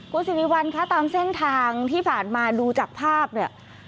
คุณสิริวัลคะตามเส้นทางที่ผ่านมาดูจากภาพเนี่ย